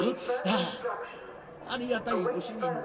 『ああありがたいご主人だ。